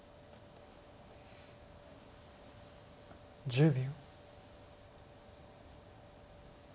１０秒。